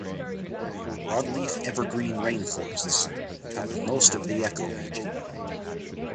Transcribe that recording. Broadleaf evergreen rain forests cover most of the ecoregion.